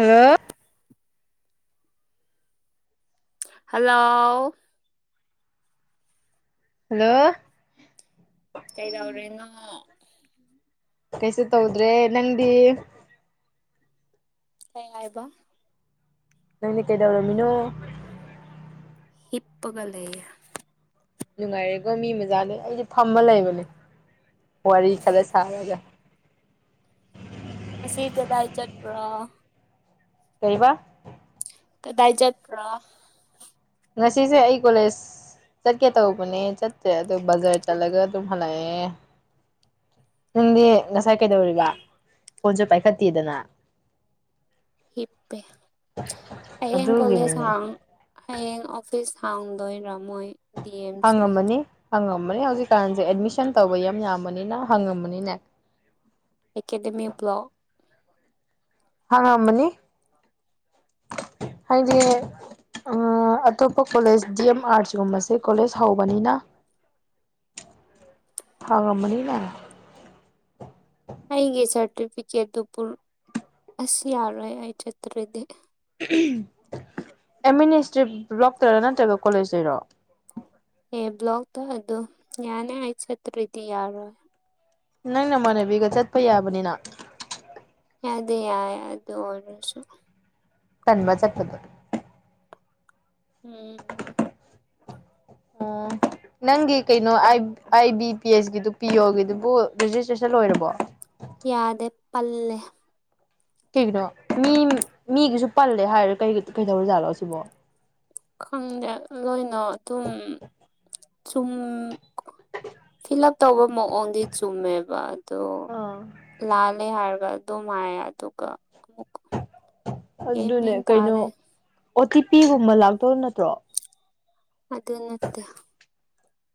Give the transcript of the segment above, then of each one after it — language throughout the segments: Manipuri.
ꯑ [unintelligible] ꯍꯜꯂꯣ ꯍꯜꯂꯣ ꯀꯩꯗꯧꯔꯦꯅꯣ ꯀꯩꯁꯨ ꯇꯧꯗ꯭ꯔꯦ ꯅꯪꯗꯤ ꯀꯩ ꯍꯥꯏꯕ ꯅꯪꯗꯤ ꯀꯩꯗꯧꯔꯝꯃꯤꯅꯣ ꯍꯤꯞꯄꯒ ꯂꯩ ꯅꯨꯡꯉꯥꯏꯔꯦꯀꯣ ꯃꯤ ꯃꯆꯥꯥꯅꯦ ꯑꯩꯁꯨ ꯐꯝꯃ ꯂꯩꯕꯅꯦ ꯋꯥꯔꯤ ꯈꯔ ꯁꯥꯔꯒ ꯑꯁꯤ ꯀꯗꯥꯢ ꯆꯠꯄꯔ ꯀꯩꯕ ꯀꯗꯥꯢ ꯆꯠꯄ꯭ꯔ ꯉꯁꯤꯁꯦ ꯑꯩ ꯀꯣꯂꯦꯖ ꯆꯠꯀꯦ ꯇꯧꯕꯅꯦ ꯆꯠꯇ꯭ꯔꯦ ꯑꯗꯣ ꯕꯖꯔ ꯆꯠꯂꯒ ꯑꯗꯨꯝ ꯍꯜꯂꯛꯑꯦ ꯅꯪꯗꯤ ꯉꯁꯥꯏ ꯀꯩꯗꯧꯔꯤꯕ ꯐꯣꯟꯁꯨ ꯄꯥꯏꯈꯠꯇꯦꯗꯅ [inaudible] ꯍꯤꯞꯄꯦ ꯍꯌꯦꯡ ꯀꯣꯂꯦꯖ ꯑꯗꯨꯒꯤꯅꯤꯅꯦ ꯍꯥꯡ꯫ ꯍꯌꯦꯡ ꯑꯣꯐꯤꯁ ꯍꯥꯡꯗꯣꯏꯔꯝꯃꯣꯏ ꯍꯪꯉꯝꯃꯅꯤ ꯍꯪꯉꯝꯃꯅꯤ ꯍꯧꯖꯤꯛꯀꯥꯟꯁꯦ ꯑꯦꯗꯃꯤꯁꯟ ꯇꯧꯕ ꯌꯥꯝ ꯌꯥꯝꯕꯅꯤꯅ ꯍꯪꯉꯝꯃꯅꯤꯅꯦ ꯑꯦꯀꯥꯗꯦꯃꯤ ꯕ꯭ꯣꯂꯣꯛ ꯍꯥꯡꯉꯝꯃꯅꯤ ꯍꯥꯏꯗꯤ ꯑꯇꯣꯞꯄ ꯀꯣꯂꯦꯖ ꯗꯤ ꯑꯦꯝ ꯑꯥꯔꯠꯁꯀꯨꯝꯕꯁꯦ ꯀꯣꯂꯦꯖ ꯍꯧꯕꯅꯤꯅ ꯍꯥꯡꯉꯝꯃꯅꯤꯅꯦ ꯑꯩꯒꯤ ꯁꯔꯇꯤꯐꯤꯀꯦꯠꯇꯨ ꯄꯨ ꯑꯁ ꯌꯥꯔꯣꯢ ꯑꯩ ꯆꯠꯇ꯭ꯔꯗꯤ [unintelligible] ꯑꯦꯗꯃꯤꯅꯤꯁꯇ꯭ꯔꯤꯠ ꯕ꯭ꯂꯣꯛꯇꯩꯔꯣ ꯅꯠꯇ꯭ꯔꯒ ꯀꯣꯂꯦꯖ ꯇꯩꯔꯣ ꯑꯦ ꯕ꯭ꯂꯥꯛ ꯇꯣ ꯑꯗꯣ ꯌꯅꯦ ꯑꯩ ꯆꯠꯇꯔꯗꯤ ꯌꯥꯔꯣ ꯅꯪ ꯅꯃꯥꯟꯅꯕꯤꯒ ꯆꯠꯄ ꯌꯥꯕꯅꯤꯅ ꯌꯥꯗ ꯌꯥꯏ ꯑ ꯑꯗꯨ ꯑꯣꯏꯔꯁꯨ ꯇꯟꯕ ꯆꯠꯄꯗ꯫ ꯎꯝ ꯎꯝ ꯅꯪꯒꯤ ꯀꯩꯅꯣ ꯑꯥꯏ ꯑꯥꯢ ꯕꯤ ꯄꯤ ꯑꯦꯁ ꯒꯤꯗꯨ ꯄꯤ ꯑꯣꯒꯤꯗꯨꯕꯨ ꯔꯦꯖꯤꯁꯇ꯭ꯔꯦꯁꯟ ꯂꯣꯏꯔꯕꯣ ꯌꯥꯗꯦ ꯄꯜꯂꯦ ꯀꯩꯒꯤꯅꯣ ꯃꯤ ꯃꯤꯒꯤꯖꯨ ꯄꯜꯂꯦ ꯍꯥꯏꯔ ꯀꯩ ꯀꯩꯗꯧꯔ ꯖꯥꯠꯂꯣ ꯑꯁꯤꯕꯣ ꯈꯪꯗꯦ ꯂꯣꯏꯅꯣ ꯑꯗꯨꯝ ꯆꯨꯝ [inaudible] ꯐꯤꯜ ꯎꯞ ꯇꯧꯕ ꯃꯑꯣꯡꯗꯤ ꯆꯨꯝꯃꯦꯕ ꯑꯗꯣ ꯂꯥꯜꯂꯦ ꯍꯥꯏꯔꯒ ꯑꯗꯨ ꯃꯥꯏ ꯑꯗꯨꯒ ꯒ꯭ꯌꯥꯟ ꯑꯗꯨꯅꯦ ꯃꯦꯟ ꯀꯩꯅꯣ ꯇꯥꯗꯦ ꯑꯣꯇꯤꯄꯤꯒꯨꯝꯕ ꯂꯥꯛꯇꯧ ꯅꯠꯇ꯭ꯔꯣ ꯑꯗꯨ ꯅꯠꯇꯦ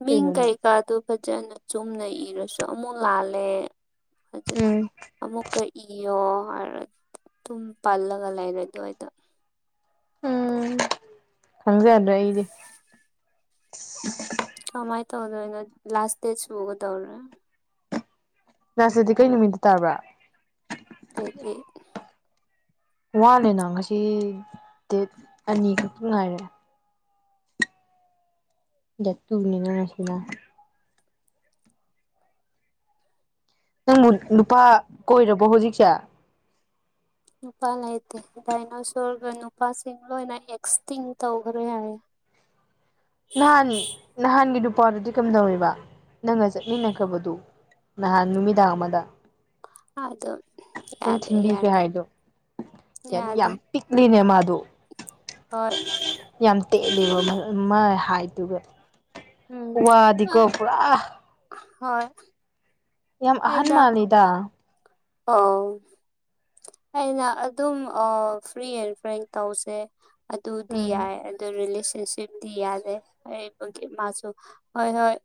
ꯃꯤꯡ ꯀꯩꯅꯣꯅꯦ ꯀꯩ ꯃꯥꯗꯣ ꯐꯖꯅ ꯆꯨꯝꯅ ꯏꯔꯁꯨ ꯑꯃꯨꯛ ꯂꯥꯜꯂꯦ ꯐꯖ ꯎꯝ ꯑꯃꯨꯛꯀ ꯏꯌꯣ ꯍꯥꯏꯔ ꯇꯨꯝ ꯄꯜꯂꯒ ꯂꯩꯔꯦ ꯑꯗꯨꯋꯥꯏꯗ ꯎꯝ ꯈꯪꯖꯗ꯭ꯔꯦ ꯑꯩꯗꯤ ꯀꯃꯥꯏ ꯇꯧꯗꯣꯢꯅꯣ ꯂꯥꯁ ꯗꯦꯁ ꯁꯒ ꯗꯧꯔꯦ ꯂꯁ ꯗꯦꯠ ꯀꯩ ꯅꯨꯃꯤꯠꯇ ꯇꯥꯕ꯭ꯔꯥ [unintelligible] ꯋꯥꯂꯦꯅ ꯉꯁꯤ ꯗꯦꯠ ꯑꯅꯤꯈꯛꯇ ꯉꯥꯏꯔꯦ [unintelligible] ꯉꯁꯤꯅ ꯅꯪꯕꯨ ꯅꯨꯄꯥ ꯀꯣꯏꯔꯕꯣ ꯍꯧꯖꯤꯛꯁꯦ ꯅꯨꯄꯥ ꯂꯩꯇꯦ ꯗꯥꯏꯅꯣꯁꯣꯔꯒ ꯅꯨꯄꯥꯁꯤꯡ ꯂꯣꯏꯅ ꯑꯦꯛꯁꯇꯤꯡ ꯇꯧꯒꯔꯦ ꯍꯥꯏꯌꯦ ꯂꯥꯛꯑꯅꯤ ꯅꯍꯥꯟꯒꯤ ꯅꯨꯄꯥꯗꯨꯗꯤ ꯀꯝꯗꯧꯔꯤꯕ ꯅꯪꯒ ꯆꯠꯃꯤꯟꯅꯈꯔꯕꯗꯣ ꯅꯍꯥꯟ ꯅꯨꯃꯤꯗꯥꯡ ꯑꯃꯗ ꯑ ꯑꯗꯣ ꯅꯪ ꯌꯥꯗꯦ ꯊꯤꯟꯕꯤꯈ꯭ꯔꯦ ꯌꯥꯗꯦ ꯍꯥꯏꯗꯣ ꯌꯥ ꯌꯥꯗꯦ ꯌꯥꯝ ꯄꯤꯛꯂꯤꯅꯦ ꯃꯥꯗꯨ ꯍꯣꯏ ꯌꯥꯝ ꯇꯦꯂꯦꯕ ꯃꯥꯏ ꯍꯥꯏꯗꯨꯒ ꯎꯝ ꯋꯥꯗꯤꯀꯣ ꯄꯨꯔꯥ ꯍꯣꯏ ꯌꯥꯝ ꯑꯍꯟ ꯃꯥꯜꯂꯤꯗ ꯑꯣꯑꯣ ꯑꯩꯅ ꯑꯗꯨꯝ ꯑ ꯐ꯭ꯔꯤ ꯑꯦꯟ ꯐ꯭ꯔꯦꯟ ꯇꯧꯁꯦ ꯑꯗꯨꯗꯤ ꯎꯝ ꯌꯥꯏ ꯑꯗꯨ ꯔꯤꯂꯦꯁꯟꯁꯤꯞ ꯗꯤ ꯌꯥꯗꯦ ꯑꯩꯕꯨꯗꯤ ꯃꯥꯁꯨ ꯍꯣꯏ ꯍꯣꯏ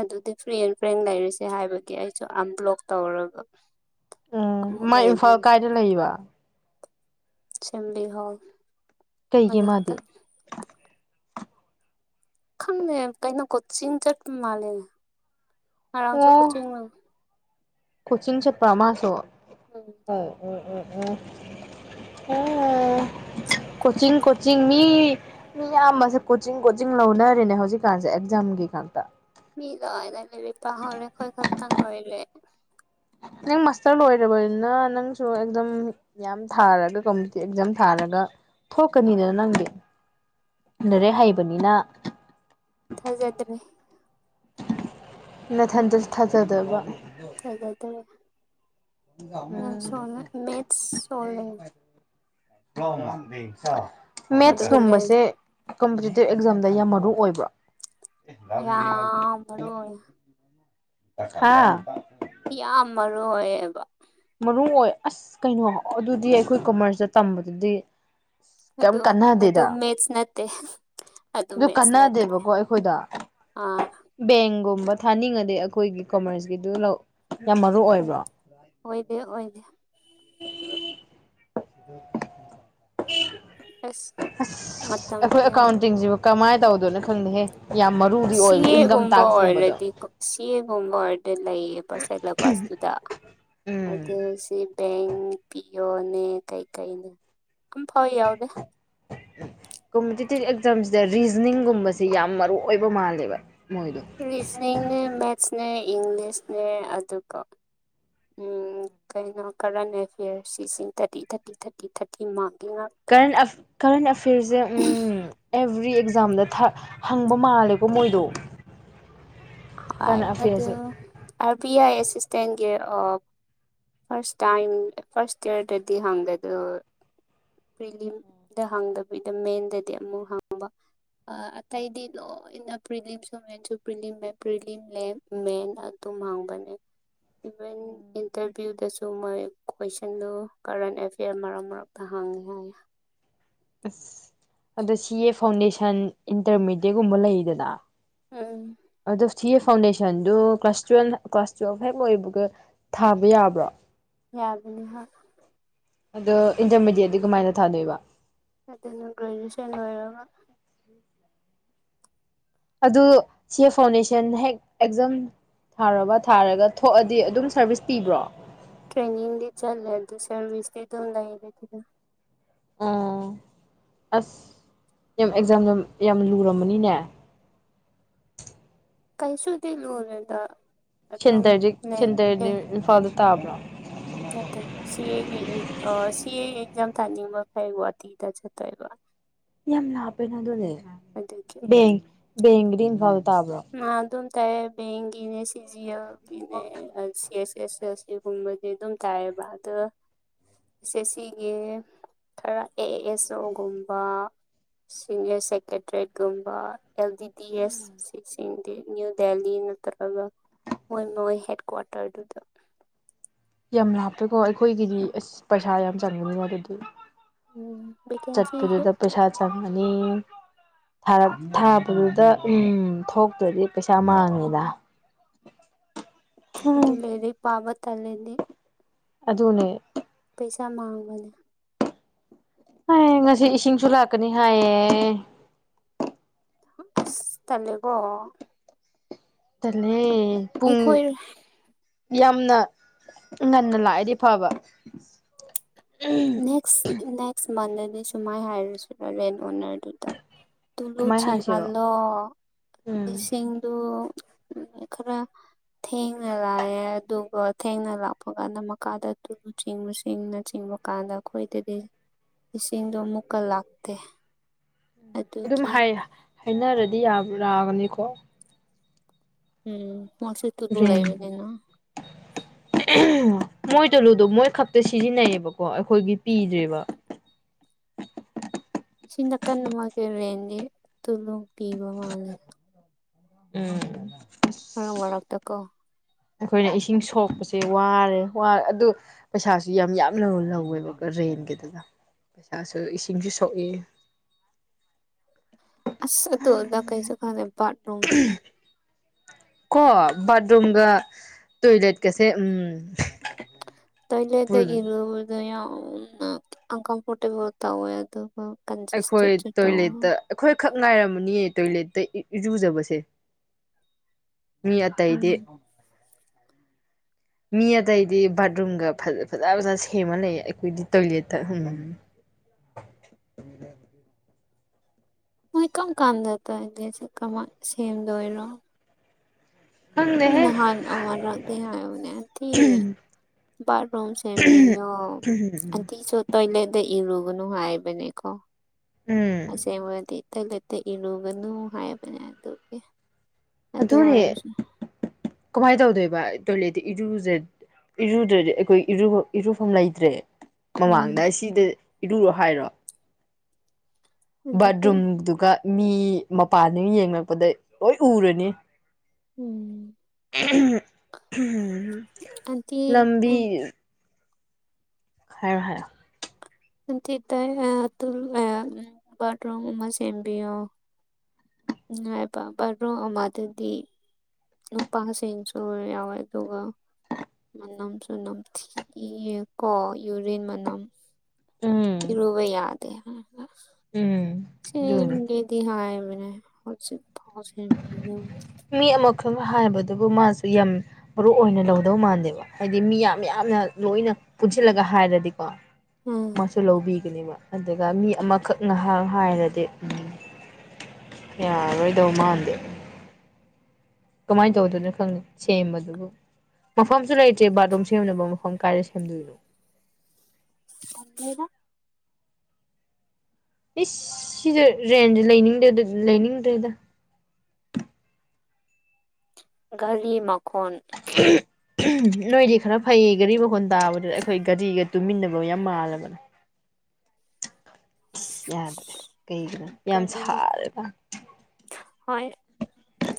ꯑꯗꯨꯗꯤ ꯐ꯭ꯔꯤ ꯑꯦꯟ ꯐ꯭ꯔꯦꯡ ꯂꯩꯔꯤꯁꯦ ꯍꯥꯏꯕꯒꯤ ꯑꯩꯁꯨ ꯑꯟꯕ꯭ꯂꯣꯛ ꯇꯧꯔꯕ ꯎꯝ ꯃꯥꯥꯏ ꯏꯝꯐꯥꯜ ꯀꯥꯏꯗ ꯂꯩꯕ ꯑꯁꯦꯝꯕꯂꯤ ꯍꯣꯜ ꯀꯩꯒꯤ ꯃꯅꯥꯛꯇ ꯃꯥꯗꯤ ꯈꯪꯗꯦ ꯀꯩꯅꯣ ꯀꯣꯆꯤꯡ ꯆꯠꯄ ꯃꯥꯜꯂꯦ ꯉꯔꯥꯡꯁꯨ ꯑꯣ ꯀꯣꯆꯤꯡꯂꯥ ꯀꯣꯆꯤꯡ ꯆꯠꯄ ꯃꯁꯨ ꯎꯝ ꯍꯣꯏ ꯑꯣ ꯑꯣ ꯑꯣ ꯑ ꯀꯣꯆꯤꯡ ꯀꯣꯆꯤꯡ ꯃꯤ ꯃꯤꯌꯥꯝꯕꯁꯦ ꯀꯣꯆꯤꯡ ꯀꯣꯆꯤꯡ ꯂꯧꯅꯔꯦꯅꯦ ꯍꯧꯖꯤꯛꯀꯥꯟꯁꯦ ꯑꯦꯛꯖꯥꯝꯒꯤ ꯉꯥꯛꯇ ꯃꯤ ꯂꯣꯏꯅ ꯂꯩꯔꯤꯛ ꯇꯧꯍꯧꯔꯦ ꯑꯈꯣꯏ ꯈꯛꯇ ꯉꯥꯏꯔꯦ ꯅꯪ ꯃꯥꯁꯇꯔ ꯂꯣꯏꯔꯕꯅꯤꯅ ꯅꯪꯁꯨ ꯑꯦꯝꯖꯥꯝ ꯌꯥꯝ ꯊꯥꯔꯒ ꯀꯝꯄꯤꯇꯤꯇꯤꯚ ꯑꯦꯛꯖꯥꯝ ꯊꯥꯔꯒ ꯊꯣꯛꯀꯅꯤꯗꯅ ꯅꯪꯗꯤ ꯂꯥꯏꯔꯤꯛ ꯍꯩꯕꯅꯤꯅ ꯊꯖꯗꯥꯔꯦ ꯅꯊꯟꯗꯖꯨ ꯊꯥꯖꯗꯕ ꯐꯖꯗꯔꯦ ꯌꯥꯝ ꯎꯝ ꯁꯣꯂꯦ ꯃꯦꯠꯁ ꯁꯣꯂꯦ ꯑꯗꯨꯒ ꯂꯩ ꯃꯦꯠꯁꯀꯨꯝꯕꯁꯦ ꯀꯝꯄꯤꯇꯤꯇꯤꯞ ꯑꯦꯛꯖꯥꯝꯗ ꯌꯥꯝ ꯃꯔꯨ ꯑꯣꯏꯕ ꯌꯥꯝ ꯃꯔꯨ ꯑꯣꯏ ꯍꯥꯥ ꯌꯥꯝ ꯃꯔꯨ ꯑꯣꯏꯌꯦꯕ ꯃꯔꯨ ꯑꯣꯏ ꯑꯁ ꯀꯩꯅꯣ ꯑꯗꯨꯗꯤ ꯑꯩꯈꯣꯏ ꯀꯃꯔꯁꯇ ꯇꯝꯕꯗꯨꯗꯤ ꯀꯩꯝ ꯑꯗꯣ ꯑꯗꯨ ꯀꯥꯟꯅꯗꯦꯗ ꯃꯦꯁ ꯅꯠꯇꯦ ꯑꯗꯨ ꯑꯗꯨ ꯃꯦꯠꯁꯅꯠꯇ꯭ꯔꯔꯤ ꯀꯥꯟꯅꯗꯦꯕꯀꯣ ꯑꯩꯈꯣꯏꯗ ꯑ ꯕꯦꯡꯒꯨꯝꯕ ꯊꯥꯅꯤꯡꯉꯗꯤ ꯑꯩꯈꯣꯏꯒꯤ ꯀꯣꯃꯔꯁꯀꯤꯗꯨ ꯌꯥꯝ ꯃꯔꯨ ꯑꯣꯏꯕ꯭ꯔꯣ ꯑꯣꯏꯗꯦ ꯑꯣꯏꯗꯦ ꯎ ꯑꯁ ꯑꯁ ꯃꯇꯝ ꯑꯩꯈꯣꯏ ꯌꯥꯝ ꯑꯦꯀꯥꯎꯟꯇꯤꯡꯁꯤꯕꯨ ꯀꯃꯥꯏꯅ ꯇꯧꯗꯣꯅꯣ ꯈꯪꯗꯦꯍꯦ ꯌꯥꯝ ꯃꯔꯨꯗꯤ ꯑꯣꯏꯕ ꯏꯟꯀꯝ ꯇꯥꯛꯁꯀꯨꯝꯕꯗꯣ ꯁꯤꯒꯨꯝꯕ ꯑꯣꯏꯔꯗꯤ ꯂꯩꯌꯦ ꯄꯁꯥꯏꯂꯕꯥꯁꯇꯨꯗ ꯎꯝ ꯑꯗꯨꯣ ꯁꯤ ꯕꯦꯡ ꯄꯤꯌꯣꯅꯦ ꯀꯩꯀꯩꯅꯦ ꯑꯝꯐꯥꯎ ꯌꯥꯎꯗꯦ ꯀꯣꯝꯄꯤꯇꯤꯇꯤꯞ ꯑꯦꯛꯖꯥꯝꯖꯦ ꯔꯤꯖꯅꯤꯡꯒꯨꯝꯕꯖꯦ ꯌꯥꯝ ꯃꯔꯨ ꯑꯣꯏꯕ ꯃꯥꯜꯂꯦꯕ ꯃꯣꯏꯗꯣ ꯔꯤꯖꯅꯤꯡꯅꯦ ꯃꯦꯠꯁꯅꯦ ꯏꯪꯂꯤꯁꯅꯦ ꯑꯗꯨꯒ ꯎꯝ ꯀꯩꯅꯣ ꯀꯔꯟ ꯑꯦꯐꯤꯌꯔꯁ ꯁꯤꯁꯤꯡ ꯊꯥꯔꯇꯤ ꯊꯥꯔꯇꯤ ꯊꯥꯔꯇꯤ ꯊꯥꯔꯇꯤ ꯃꯥꯔꯛꯒꯤ ꯉꯥꯛ ꯀꯔꯟ ꯑꯦꯐ ꯀꯔꯟ ꯑꯦꯐ꯭ꯌꯔꯖꯦ ꯎꯝ ꯑꯦꯕ꯭ꯔꯤ ꯑꯦꯛꯖꯥꯝꯗ ꯊꯥ ꯍꯪꯕ ꯃꯥꯜꯂꯦꯀꯣ ꯃꯣꯏꯗꯣ ꯍꯣꯏ ꯀꯔꯦꯟ ꯑꯗꯨ ꯑꯦꯐꯤꯌꯔꯁꯦ ꯑꯥꯔ ꯕꯤ ꯑꯥꯏ ꯑꯦꯁꯤꯁꯇꯦꯟꯒꯤ ꯑꯣ ꯐꯁ ꯇꯥꯏꯝ ꯐꯁ ꯑꯦꯔꯗꯗꯤ ꯍꯪꯗꯦ ꯑꯗꯨ ꯄ꯭ꯔꯤꯂꯤꯝꯗ ꯍꯥꯡꯗꯕꯤꯗ ꯃꯦꯟꯗꯗꯤ ꯑꯃꯨꯛ ꯍꯪꯕ ꯑ ꯑꯇꯩꯗꯤ ꯂꯣꯏꯅ ꯄ꯭ꯔꯤꯂꯤꯝꯁꯨ ꯃꯦꯟꯁꯨ ꯄ꯭ꯔꯤꯂꯤ ꯃꯦꯝ ꯄ꯭ꯔꯤꯂꯤꯝꯂꯦ ꯃꯦꯟ ꯑꯗꯨꯝ ꯍꯥꯡꯕꯅꯦ ꯏꯚꯟ ꯏꯟꯇꯔꯚꯤꯌꯨꯗꯁꯨ ꯃꯣꯏ ꯀꯣꯏꯁꯟꯗꯨ ꯀꯔꯦꯟ ꯑꯦꯐꯤꯌꯥꯔ ꯃꯔꯛ ꯃꯔ ꯇ ꯌꯥꯉꯦ ꯑꯁ ꯑꯗꯣ ꯁꯤ ꯑꯦ ꯐꯥꯎꯟꯗꯦꯁꯟ ꯏꯟꯇꯔꯃꯦꯗꯌꯦꯠꯀꯨꯝꯕ ꯂꯩꯗꯅ ꯎꯝ ꯑꯗꯣ ꯁꯤ ꯑꯦ ꯐꯥꯎꯟꯗꯦꯁꯟꯗꯨꯣ ꯀ꯭ꯂꯥꯁ ꯇꯨꯌꯦꯜ ꯀ꯭ꯂꯥꯁ ꯇꯨꯌꯦꯦꯜꯐ ꯍꯦꯛ ꯂꯣꯏꯕꯒ ꯊꯥꯕ ꯌꯥꯕ꯭ꯔꯣ ꯌꯥꯗꯅꯤ ꯍꯥ ꯑꯗꯣ ꯏꯟꯇꯔꯃꯦꯗꯤꯌꯦꯠꯗꯤ ꯀꯃꯥꯏꯅ ꯊꯥꯗꯣꯏꯕ ꯑꯗꯨꯅ ꯒ꯭ꯔꯦꯖꯨꯑꯦꯁꯟ ꯂꯣꯏꯔꯒ ꯑꯗꯨ ꯁꯤ ꯐꯥꯎꯟꯗꯦꯁꯟ ꯍꯦꯛ ꯑꯦꯛꯖꯝ ꯊꯥꯔꯕ ꯊꯥꯔꯒ ꯊꯣꯛꯑꯗꯤ ꯑꯗꯨꯝ ꯁꯔꯚꯤꯁ ꯄꯤꯕ꯭ꯔꯣ ꯇ꯭ꯔꯦꯅꯤꯡꯡꯗꯤ ꯆꯠꯂꯦ ꯑꯗꯨ ꯁꯔꯕꯤꯁꯇꯤ ꯑꯗꯨꯝ ꯂꯩꯔꯥꯗꯤ ꯑꯗꯨꯝ ꯑꯣ ꯑꯁ ꯌꯥꯝ ꯑꯦꯛꯖꯥꯝ ꯌꯥꯝ ꯌꯥꯝ ꯂꯨꯔꯝꯕꯅꯤꯅꯦ ꯀꯩꯁꯨꯗꯤ ꯂꯨꯔꯣꯏ ꯗꯥ ꯁꯦꯟꯇ꯭ꯔꯗꯤ ꯁꯦꯟꯇ꯭ꯔꯗꯤ ꯏꯝꯐꯥꯜꯗ ꯇꯥꯕ꯭ꯔꯣ ꯅꯠꯇꯦ ꯁꯤ ꯑꯦꯒꯤ ꯁꯤ ꯑꯦ ꯑꯦꯛꯖꯥꯝ ꯊꯥꯅꯤꯡꯕ ꯈꯩ ꯒꯨꯍꯥꯇꯤꯗ ꯆꯠꯇꯣꯏꯕ ꯌꯥꯝ ꯂꯥꯞꯄꯦꯅ ꯑꯗꯨꯅꯦ ꯑꯗꯨꯒꯤ ꯕꯦꯡꯀꯤꯗꯤ ꯏꯝꯐꯥꯜꯗꯥ ꯇꯥꯕ꯭ꯔꯣ ꯑꯗꯨꯝ ꯇꯥꯏꯌꯦ ꯕꯦꯡꯒꯤꯅꯦ ꯁꯤ ꯖꯤ ꯌꯦꯜꯒꯤꯅꯦ ꯀ ꯑꯦꯁ ꯑꯦꯁ ꯑꯦꯁ ꯁꯤꯒꯨꯝꯕꯗꯤ ꯑꯗꯨꯝ ꯇꯥꯏꯌꯦꯕ ꯑꯗ ꯑꯦꯁ ꯑꯦꯁ ꯁꯤꯒꯤ ꯈꯔ ꯑꯦ ꯑꯦꯁ ꯑꯣꯒꯨꯝꯕ ꯁꯤꯅꯤꯌꯔ ꯁꯦꯀ꯭ꯔꯦꯇꯔꯤꯌꯦꯠꯀꯨꯝꯕ ꯑꯦꯜ ꯗꯤ ꯗꯤ ꯑꯦꯁ ꯀꯆꯤꯡꯗꯤ ꯅ꯭ꯌꯨ ꯗꯦꯜꯂꯤ ꯅꯠꯇ꯭ꯔꯒ ꯃꯣꯏ ꯃꯣꯏ ꯍꯦꯠ ꯀ꯭ꯋꯥꯇꯔꯗꯨꯗ ꯌꯥꯝ ꯂꯥꯞꯄꯦꯀꯣ ꯑꯩꯈꯣꯏꯒꯤꯗꯤ ꯑꯁ ꯄꯩꯁꯥ ꯌꯥꯝ ꯆꯪꯒꯅꯤ ꯑꯗꯨꯗꯤ ꯎꯝ ꯚꯦꯀꯦꯟꯁꯤꯁꯨ ꯆꯠꯄꯗꯨꯗ ꯄꯩꯁꯥ ꯆꯪꯉꯅꯤ ꯊꯥꯕꯗꯨꯗ ꯎꯝ ꯊꯣꯛꯇ꯭ꯔꯗꯤ ꯄꯩꯁꯥ ꯃꯥꯡꯉꯤꯗ [inaudible] ꯑꯗꯨ ꯑꯗꯨ ꯂꯩꯔꯤꯛ ꯄꯥꯕ ꯊꯂꯦꯗꯤ ꯑꯗꯨꯅꯦ ꯄꯩꯁꯥ ꯃꯥꯡꯕꯅꯦ ꯍꯥꯏꯌꯦ ꯉꯁꯤ ꯏꯁꯤꯡꯁꯨ ꯂꯥꯛꯀꯅꯤ ꯍꯥꯏꯌꯦ ꯑꯁ ꯇꯥꯂꯦꯀꯣ ꯇꯂꯦ ꯄꯨꯡ ꯑꯩꯈꯣꯏ ꯌꯥꯝꯅ ꯉꯟꯅ ꯂꯥꯛꯑꯗꯤ ꯐꯕ ꯅꯦꯛꯁ ꯅꯦꯛꯁ ꯃꯟꯗꯗꯤ ꯁꯨꯃꯥꯏꯅ ꯍꯥꯏꯔꯨꯁꯤꯔ ꯔꯦꯟ ꯑꯣꯅꯔꯗꯨꯗ ꯇꯨꯂꯨ ꯀꯃꯥꯏ ꯍꯥꯏꯁꯤꯔꯣ ꯆꯤꯡꯍꯜꯂꯣ ꯎꯝ ꯏꯁꯤꯡꯗꯨ ꯈꯔ ꯊꯦꯡꯅ ꯂꯥꯛꯑꯦ ꯑꯗꯨꯒ ꯊꯦꯡꯅ ꯂꯥꯛꯄ ꯀꯥꯟꯗ ꯃꯈꯀꯥꯗ ꯇꯨꯂꯨ ꯆꯤꯡꯕ ꯆꯁꯤꯡꯅ ꯆꯤꯡꯕ ꯀꯥꯟꯗ ꯑꯩꯈꯣꯏꯗꯗꯤ ꯏꯁꯤꯡꯗꯣ ꯑꯃꯨꯛꯀ ꯂꯥꯛꯇꯦ ꯑꯗꯨꯝ ꯑꯗꯨꯒꯤ ꯍꯥꯏ ꯍꯥꯏꯅꯔꯗꯤ ꯌꯥꯕ ꯂꯥꯒꯅꯤꯀꯣ ꯎꯝ [unintelligible] ꯔꯦꯟ ꯂꯩꯕꯅꯤꯅ ꯃꯣꯏ ꯇꯂꯨꯗꯣ ꯃꯣꯏ ꯈꯛꯇ ꯁꯤꯖꯤꯟꯅꯩꯌꯦꯕꯀꯣ ꯑꯩꯈꯣꯏꯒꯤ ꯄꯤꯗ꯭ꯔꯦꯕ ꯁꯤ ꯅꯥꯀꯟ ꯑꯃ ꯒꯤ ꯔꯦꯟꯗꯤ ꯇꯨꯂꯨ ꯄꯤꯕ ꯃꯜ ꯂꯦ ꯎꯝ [unintelligible] ꯋꯥꯔꯛꯇ ꯀꯣ ꯑꯩꯈꯣꯏꯅ ꯏꯁꯤꯡ ꯁꯣꯛꯄꯁꯦ ꯋꯥꯔꯦ ꯑꯗꯨ ꯄꯩꯁꯥꯁꯨ ꯌꯥꯝ ꯌꯥꯝ ꯂꯧꯋꯦꯕ ꯔꯦꯟꯒꯤꯗꯨꯗ ꯄꯩꯁꯥꯁꯨ ꯏꯁꯤꯡꯁꯨ ꯁꯣꯛꯏꯦ ꯑꯗꯨ ꯑꯗꯥ ꯀꯩꯁꯨ ꯈꯥꯟꯅꯥ [unintelligible] ꯀꯣ ꯕꯥꯠꯔꯨꯝꯒꯥ ꯇꯣꯏꯂꯦꯠ ꯀꯩꯁꯦ ꯎꯝ ꯇꯣꯏꯂꯦꯗ ꯄꯨꯜ ꯏꯔꯕꯥꯗꯨ ꯌꯥꯝ ꯑꯟꯀꯝꯐꯔꯇꯦꯕꯜ ꯇꯋꯦ ꯑꯗꯨ ꯑꯩꯈꯣꯏ ꯇꯣꯏꯂꯦꯠꯇ ꯑꯩꯈꯣꯏꯈꯛ ꯉꯥꯏꯔꯝꯃꯅꯤꯌꯦ ꯇꯣꯏꯂꯦꯠꯇ ꯏꯔꯨꯖꯕꯁꯦ ꯃꯤ ꯑꯇꯩꯗꯤ ꯎꯝ ꯃꯤ ꯑꯇꯩꯗꯤ ꯕꯥꯠꯔꯨꯝꯒ ꯐꯖ ꯐꯖꯅ ꯁꯦꯝꯃ ꯂꯩ ꯑꯩꯈꯣꯏꯗꯤ ꯇꯣꯏꯂꯦꯠꯇꯥ ꯍꯨꯝ [unintelligible] [inaudible] ꯃꯣꯏ ꯀꯝ ꯀꯥꯟꯗ ꯇꯣꯏꯂꯦꯠ ꯁꯦ ꯀꯃꯥꯏꯟ ꯁꯦꯝꯗꯣꯏꯔꯣ ꯈꯪꯗꯦꯍꯦ ꯅꯍꯥꯟ ꯑꯃꯔꯛ ꯇꯤ ꯍꯥꯏꯕꯅꯦ ꯎꯟꯇꯤ ꯕꯥꯠꯔꯨꯝ ꯁꯦꯝꯕꯤꯌꯣ ꯎꯟꯇꯤꯁꯨ ꯇꯣꯏꯂꯦꯠꯇ ꯏꯔꯨꯒꯅꯨ ꯍꯥꯏꯕꯅꯦꯀꯣ ꯎꯝ ꯑꯁꯦꯡꯕꯗꯤ ꯏꯊ ꯂꯩꯇ ꯏꯔꯨꯒꯅꯨ ꯍꯥꯏꯕꯅꯦ ꯑꯗꯨꯒꯤ ꯑꯗꯨ ꯑꯗꯨꯅꯦ ꯑꯣꯏꯔꯁꯨ ꯀꯃꯥꯏ ꯇꯧꯗꯣꯏꯕ ꯇꯣꯏꯂꯦꯠꯇ ꯏꯔꯨꯖ ꯏꯔꯨꯗ꯭ꯔꯗꯤ ꯑꯩꯈꯣꯏ ꯏꯔꯨꯕ ꯏꯔꯨꯐꯝ ꯂꯩꯇ꯭ꯔꯦ ꯎꯝ ꯃꯃꯥꯡꯗ ꯁꯤꯗ ꯏꯔꯨꯔꯣ ꯍꯥꯏꯔꯣ꯫ ꯑꯗꯨꯒꯤ ꯕꯥꯠꯔꯨꯝꯗꯨꯒ ꯃꯤ ꯃꯄꯥꯟꯩꯨ ꯌꯦꯡꯔꯛꯄꯗ ꯂꯣꯏ ꯎꯔꯅꯤ꯫ ꯎꯝ꯫ ꯑꯟꯇꯤ [unintelligible] ꯂꯝꯕꯤ ꯎꯝ ꯍꯥꯏꯔꫭ-ꯍꯥꯏꯔꫭ꯫ [inaudible] ꯕꯥꯠꯔꯨꯝ ꯃ ꯁꯦꯝꯕꯤꯌꯣ꯫ ꯅꯨꯡꯉꯥꯏꯕ ꯕꯥꯠꯔꯣ ꯑꯃ ꯗꯨꯗꯤ꯫ [inaudible] ꯃꯅꯝꯁꯨ ꯅꯝꯊꯤꯌꯦꯀꯣ ꯌꯨꯔꯤꯟ ꯃꯅꯝ꯫ ꯎꯝ ꯏꯔꯨꯕ ꯌꯥꯗꯦ꯫ [unintelligible] ꯎꯝ꯫ ꯑꯗꯨꯅꯤ ꯁꯦꯝꯒꯦꯗꯤ ꯍꯥꯏꯕꯅꯦ ꯍꯧꯖꯤꯛꯐꯥꯎ ꯁꯦꯝꯕꯤꯗ꯫ ꯃꯤ ꯑꯃꯈꯛꯅ ꯍꯥꯏꯕꯗꯨꯕꯨ ꯃꯥꯁꯨ ꯌꯥꯝ ꯃꯔꯨ ꯑꯣꯏꯅ ꯂꯧꯗꯧ ꯃꯥꯟꯗꯦꯕ ꯍꯥꯏꯗꯤ ꯃꯤ ꯌꯥꯝ ꯌꯥꯝꯅ ꯂꯣꯏꯅ ꯄꯨꯟꯁꯤꯜꯂꯒ ꯍꯥꯏꯔꯗꯤꯀꯣ꯫ ꯎꯝ ꯃꯥꯁꯨ ꯂꯧꯕꯤꯒꯅꯤꯕ ꯑꯗꯨꯒ ꯃꯤ ꯑꯃꯈꯛ ꯉꯥꯏꯍꯥꯛ ꯍꯥꯏꯔꯗꯤ ꯎꯝ꯫ ꯌꯥꯔꫭꯏꯗꯧ ꯃꯥꯟꯗꯦ꯫ ꯀꯃꯥꯏꯅ ꯇꯧꯗꫭꯏꯅꯣ ꯈꯪꯉꯤ ꯁꯦꯝꯕꯗꯨꯕꯨ꯫ ꯃꯐꯝꯁꯨ ꯂꯩꯇ꯭ꯔꯦ ꯕꯥꯠꯔꯨꯝ ꯁꯦꯝꯅꯕ ꯃꯐꯝ ꯀꯥꯏꯗ ꯁꯦꯝꯗꯣꯏꯅꯣ꯫ [inaudible] ꯑꯦ ꯁꯤꯁꯦ ꯔꯦꯟꯁꯦ ꯂꯩꯅꯤꯡꯗꯦꯗ ꯂꯩꯅꯤꯡꯗ꯭ꯔꯦꯗ꯫ ꯒꯥꯔꯤ ꯃꯈꯣꯟ [unintelligible] [unintelligible] ꯅꯣꯏꯗꯤ ꯈꯔ ꯐꯩ ꯒꯥꯔꯤ ꯃꯈꯣꯟ ꯇꯥꯕꯗꯨ ꯑꯈꯣꯏ ꯒꯥꯔꯤꯒ ꯇꯨꯃꯤꯟꯅꯕ ꯌꯥꯝ ꯃꯥꯜꯂꯕꯅꯦ꯫ ꯑꯁ ꯌꯥꯗ꯭ꯔꯦ ꯀꯩꯒꯤꯅꯣ ꯌꯥꯝ ꯒꯥꯔꯤ ꯃꯈꯣꯟ ꯁꯥꯔꯦꯗ꯫ ꯍꯣꯏ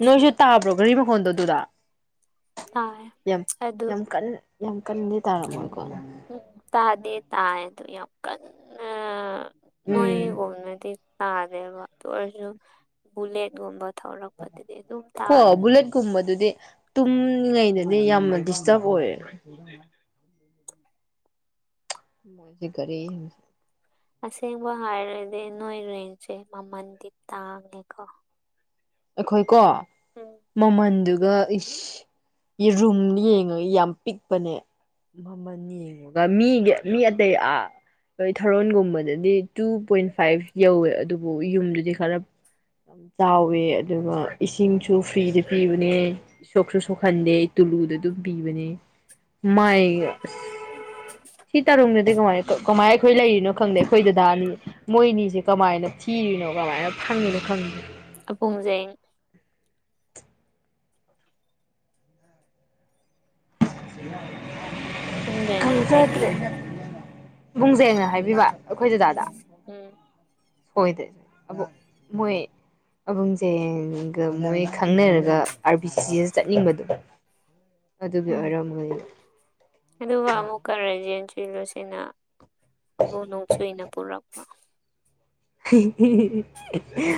ꯅꯣꯏꯁꯨ ꯇꯥꯕ꯭ꯔꯣ ꯒꯥꯔꯤ ꯃꯈꯣꯟꯗꯣ ꯗꯨꯗꯥ꯫ ꯇꯥꯏ ꯌꯥꯝ ꯑꯗꯨ ꯌꯥꯝ ꯀꯟ ꯌꯥꯝ ꯀꯟꯗꯤ ꯇꯥꯔꯝꯃꯣꯏꯀꯣ꯫ ꯎꯝ ꯇꯥꯗꯦ ꯇꯥꯌꯦ ꯑꯗꯨ ꯌꯥꯝ ꯀꯟꯅ ꯎꯝ ꯅꯣꯏꯒꯨꯝꯅꯗꯤ ꯇꯥꯗꯦꯕ ꯑꯗꯨꯑꫭꯏꯔꯁꯨ ꯕꯨꯂꯦꯠꯒꯨꯝꯕ ꯊꯧꯔꯛꯄꯗꯗꯤ ꯑꯗꯨꯝ ꯀꯣ ꯇꯥꯏ ꯕꯨꯂꯦꯠ ꯀꯨꯝꯕꯗꯨꯗꯤ ꯇꯨꯝꯂꯤꯉꯩꯗꯗꯤ ꯌꯥꯝꯅ ꯗꯤꯁꯇꯥꯔꯕ ꯑꯣꯏꯌꯦ꯫ [inaudible] ꯃꫭꯏꯖꯦ ꯒꯥꯔꯤ ꯑꯁꯦꯡꯕ ꯍꯥꯏꯔꯗꯤ ꯅꯣꯏ ꯔꯦꯟꯁꯦ ꯃꯃꯟꯗꯤ ꯇꯥꯡꯉꯦꯀꯣ꯫ ꯑꯩꯈꯣꯏ ꯀꯣ꯫ ꯎꯝ꯫ ꯃꯃꯜꯗꯨꯒ ꯏꯁ ꯔꯨꯝ ꯌꯦꯡꯉꯒ ꯌꯥꯝ ꯄꯤꯛꯄꯅꯦ꯫ ꯃꯅꯤꯗꯨꯒ ꯃꯤꯒꯤ ꯃꯤ ꯑꯇꯩ ꯑꯥ ꯑꯩꯏ ꯊꯧꯔꯣꯟꯒꯨꯝꯕꯗꯗꯤ ꯇꯨ ꯄꯣꯏꯟ ꯐꯥꯏꯚ ꯌꯧꯋꯦ ꯑꯗꯨꯕꯨ ꯌꯨꯝꯗꯨꯗꯤ ꯈꯔ ꯌꯥꯝ ꯆꯥꯎꯋꯦ ꯑꯗꯨꯒ ꯏꯁꯤꯡꯁꯨ ꯐ꯭ꯔꯤꯗ ꯄꯤꯕꯅꯦ꯫ ꯁꯣꯛꯁꯨ ꯁꯣꯛꯍꯟꯗꯦ ꯇꯨꯂꯨꯗ ꯑꯗꯨꯝ ꯄꯤꯕꯅꯦ꯫ ꯃꯥꯏ ꯑꯁ ꯁꯤ ꯇꯥꯔꯨꯡꯅ ꯑꯗꯩ ꯀꯃꯥꯏ ꯀꯃꯥꯏꯅ ꯈꯣꯏ ꯂꯩꯔꯤꯅꯣ ꯈꯪꯗꯦ ꯑꯩꯈꯣꯏ ꯗꯗꯥ ꯑꯅꯤ꯫ ꯃꯣꯏꯅꯤꯁꯦ ꯀꯃꯥꯏꯅ ꯊꯤꯔꯤꯅꯣ ꯀꯃꯥꯏꯅ ꯐꯪꯉꯤꯅꯣ ꯈꯪꯗꯦ꯫ ꯑꯄꯨꯡꯖꯦꯡ ꯄꯨꯡꯖꯦꯡꯅ ꯍꯥꯏꯕꯤꯌꯨ ꯈꯪꯖꯗ꯭ꯔꯦꯗ꯫ ꯕꯨꯡꯖꯦꯡꯅ ꯍꯥꯏꯕꯤꯕ ꯑꯩꯈꯣꯏ ꯎꯝ ꯗꯗꯥꯗ꯫ ꯎꯝ꯫ ꯑꯣꯏꯗꯦ ꯑꯕꫭ ꯃꯣꯏ ꯑꯕꯨꯡꯖꯦꯡꯒ ꯃꯣꯏ ꯈꯪꯅꯔꯒ ꯑꯥꯔ ꯕꯤ ꯁꯤ ꯁꯤꯗ ꯆꯠꯅꯤꯡꯕꯗꯣ꯫ ꯑꯗꯨꯒꯤ ꯎꯝ ꯑꫭꯏꯔꯝꯒꯅꯤ ꯑꯗꯨꯒ ꯑꯃꯨꯛꯀ ꯔꯟꯖꯦꯟ ꯆꯨꯂꯨꯁꯤꯅ ꯑꯃꯨꯛ ꯅꯣꯡ ꯆꯨꯏꯅ ꯄꯨꯔꯛꯄ ꯍꯤ ꯍꯤ